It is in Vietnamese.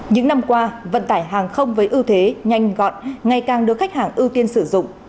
những năm qua vận tải hàng không với ưu thế nhanh gọn ngày càng được khách hàng ưu tiên sử dụng